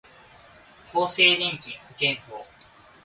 厚生年金保険法